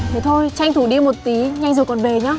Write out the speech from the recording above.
thế thôi tranh thủ đi một tí nhanh rồi còn về nhau